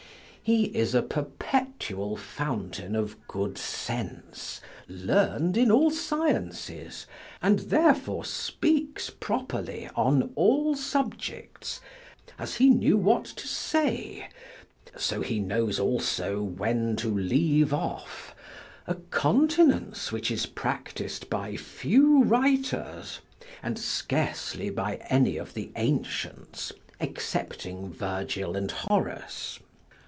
He is a perpetual fountain of good sense, learn'd in all sciences, and therefore speaks properly on all subjects as he knew what to say, so he knows also when to leave off, a continence which is practic'd by few writers, and scarcely by any of the ancients, excepting Virgil and Horace.